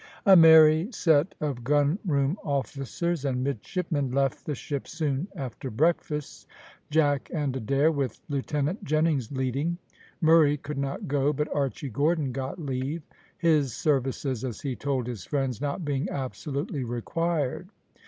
A merry set of gun room officers and midshipmen left the ships soon after breakfast, Jack and Adair, with Lieutenant Jennings leading. Murray could not go, but Archy Gordon got leave; his services, as he told his friends, not being absolutely required.